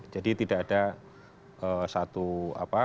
jadi tidak ada satu apa